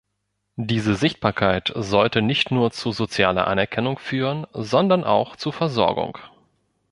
Diese Sichtbarkeit sollte nicht nur zu sozialer Anerkennung führen, sondern auch zu Versorgung.